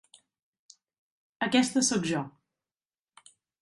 Aquesta sóc jo.